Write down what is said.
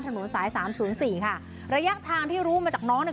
ถนนสายสามศูนย์สี่ค่ะระยะทางที่รู้มาจากน้องเนี่ย